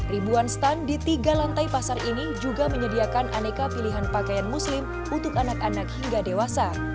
ribuan stand di tiga lantai pasar ini juga menyediakan aneka pilihan pakaian muslim untuk anak anak hingga dewasa